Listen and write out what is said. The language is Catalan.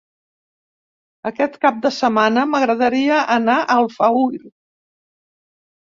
Aquest cap de setmana m'agradaria anar a Alfauir.